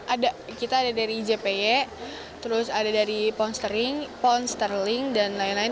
ada kita ada dari jp terus ada dari ponstering pound sterling dan lain lain